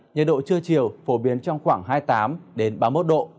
nhiệt độ trưa chiều phổ biến trong khoảng hai mươi tám ba mươi một độ